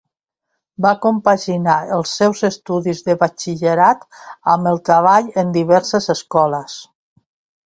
Va compaginar els seus estudis de Batxillerat amb el treball en diverses escoles.